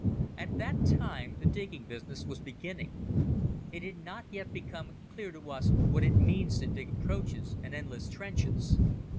At that time the digging business was beginning. It had not yet become clear to us what it means to dig approaches and endless trenches.